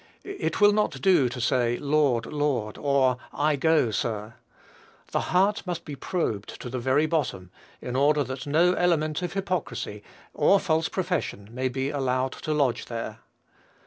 It will not do to say, "Lord, Lord," or, "I go, sir." The heart must be probed to the very bottom, in order that no element of hypocrisy or false profession may be allowed to lodge there.